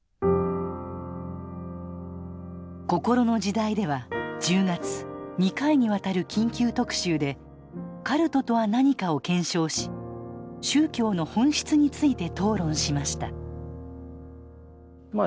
「こころの時代」では１０月２回にわたる緊急特集でカルトとは何かを検証し宗教の本質について討論しましたまあ